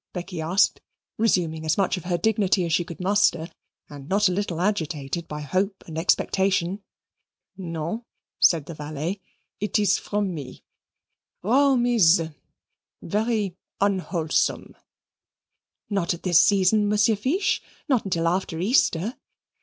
Becky asked, resuming as much of her dignity as she could muster, and not a little agitated by hope and expectation. "No," said the valet; "it is from me. Rome is very unwholesome." "Not at this season, Monsieur Fiche not till after Easter."